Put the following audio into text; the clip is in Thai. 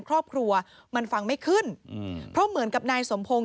ที่มันก็มีเรื่องที่ดิน